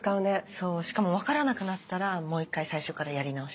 そうしかも分からなくなったらもう１回最初からやり直し。